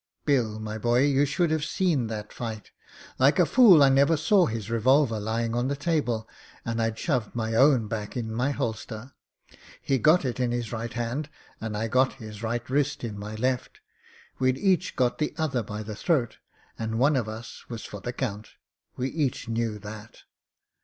"Bill, my boy, you should have seen that fight. Like a fool, I never saw his revolver lying on the table, and I'd shoved my own back in my holster. He got it in his right hand, and I got his right wrist in my left We'd each got the other by the throat, and one of us was for the count. We each knew that.